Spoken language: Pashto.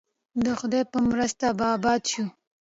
د خدای په مرسته به اباد شو؟